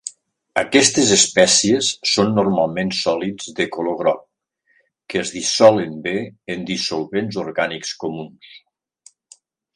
Aquestes espècies són normalment sòlids de color groc, que es dissolen bé en dissolvents orgànics comuns.